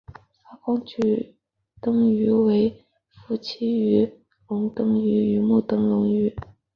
发光炬灯鱼为辐鳍鱼纲灯笼鱼目灯笼鱼科炬灯鱼属的鱼类。